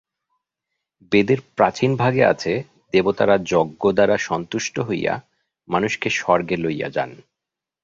বেদের প্রাচীন ভাগে আছে, দেবতারা যজ্ঞদ্বারা সন্তুষ্ট হইয়া মানুষকে স্বর্গে লইয়া যান।